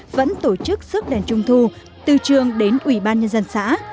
vẫn tổ chức sức đèn trung thu từ trường đến ủy ban nhân dân xã